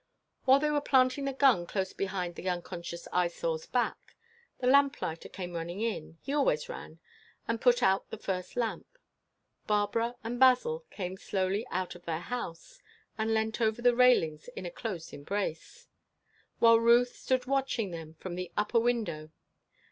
While they were planting the gun close behind the unconscious Eyesore's back, the lamplighter came running in—he always ran—and put out the first lamp. Barbara and Basil came slowly out of their house, and leant over the railings in a close embrace, while Ruth stood watching them from the upper window.